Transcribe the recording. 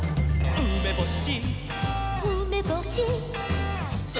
「うめぼし！」